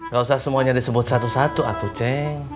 gak usah semuanya disebut satu satu atau ceng